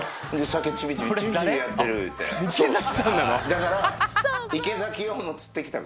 だから。